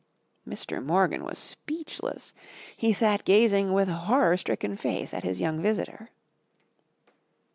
'" Mr. Morgan was speechless. He sat gazing with horror stricken face at his young visitor.